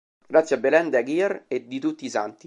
Grazie a Belén de Aguirre e di tutti i Santi.